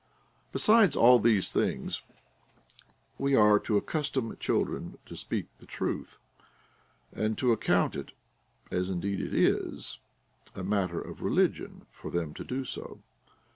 Besides all these things, we are to accustom children to speak the truth, and to account it, as indeed it is, a matter of religion for them to do so.